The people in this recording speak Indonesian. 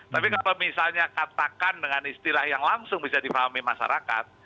tapi kalau misalnya katakan dengan istilah yang langsung bisa difahami masyarakat